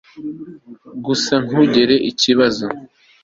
gusa ntugire ikibazo